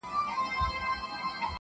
• چي د ژوند پیکه رنګونه زرغونه سي,